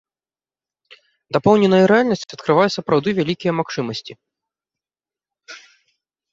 Дапоўненая рэальнасць адкрывае сапраўды вялікія магчымасці.